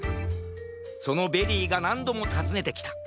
そのベリーがなんどもたずねてきた。